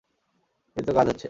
এইতো কাজ হচ্ছে!